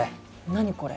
何これ？